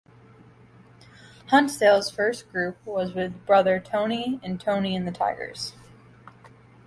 Hunt Sales' first group was with brother Tony in Tony and the Tigers.